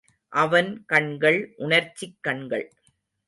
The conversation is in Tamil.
அவன் கண்கள் உணர்ச்சிக் கண்கள்.